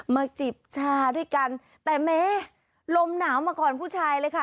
จิบชาด้วยกันแต่แม้ลมหนาวมาก่อนผู้ชายเลยค่ะ